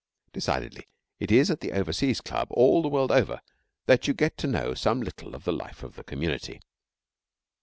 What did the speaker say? Decidedly, it is at the Overseas Club all the world over that you get to know some little of the life of the community.